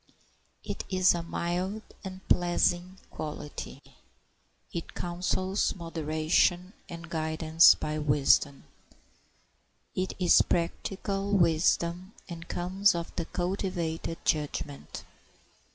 It is a mild and pleasing quality. It counsels moderation and guidance by wisdom. It is practical wisdom, and comes of the cultivated judgment.